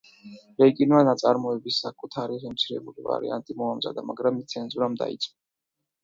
ლეიკინმა ნაწარმოების საკუთარი შემცირებული ვარიანტი მოამზადა, მაგრამ ის ცენზურამ დაიწუნა.